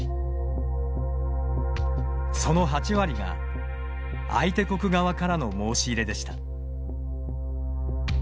その８割が相手国側からの申し入れでした。